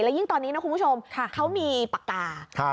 ยิ่งตอนนี้นะคุณผู้ชมเขามีปากกา